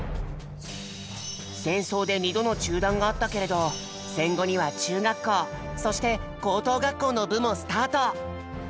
戦争で２度の中断があったけれど戦後には中学校そして高等学校の部もスタート。